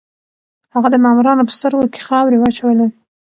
هغه د مامورانو په سترګو کې خاورې واچولې.